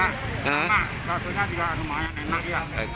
nah basonya dia lumayan enak ya